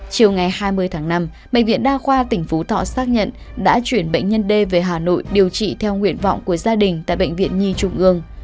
chiều ngày hai mươi tháng năm bệnh viện đa khoa tỉnh phú thọ xác nhận đã chuyển bệnh nhân d về hà nội điều trị theo nguyện vọng của gia đình tại bệnh viện nhi trung ương